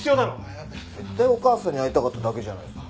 絶対お義母さんに会いたかっただけじゃないですか。